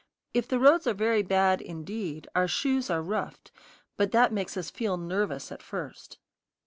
If the roads are very bad, indeed, our shoes are roughed, but that makes us feel nervous at first.